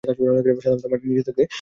সাধারণত মাটির নিচে থাকতে পছন্দ করে।